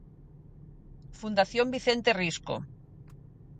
Fundación Vicente Risco.